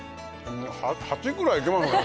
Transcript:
８ぐらいいけますね